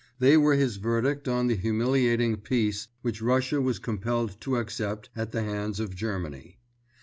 They were his verdict on the humiliating Peace which Russia was compelled to accept at the hands of Germany.